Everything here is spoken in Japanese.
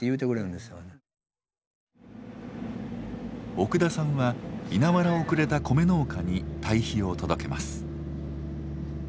奥田さんは稲わらをくれた米農家に堆肥を届けます。